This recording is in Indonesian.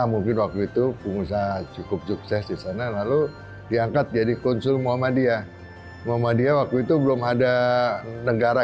muhammadiyah waktu itu belum ada negara